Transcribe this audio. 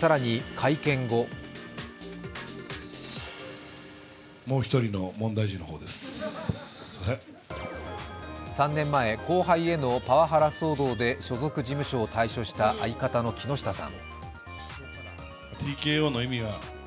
更に会見後３年前、後輩へのパワハラ騒動で所属事務所を退所した相方の木下さん。